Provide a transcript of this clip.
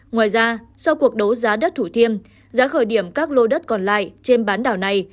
ngoài ra sau cuộc đấu giá đất thủ thiêm giá khởi điểm các lô đất còn lại trên bán đảo này